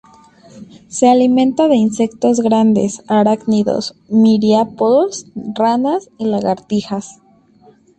Se alimenta de insectos grandes, arácnidos, miriápodos, ranas y lagartijas.